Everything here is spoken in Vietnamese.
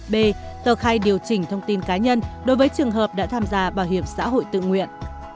b tờ khai điều chỉnh thông tin cá nhân đối với trường hợp đã tham gia bảo hiểm xã hội tự nguyện